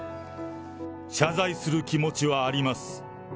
謝罪する気持ちはあります。